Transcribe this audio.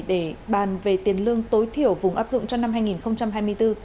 để bàn về tiền lương tối thiểu vùng áp dụng cho năm hai nghìn hai mươi bốn